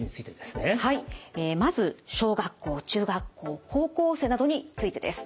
まず小学校中学校高校生などについてです。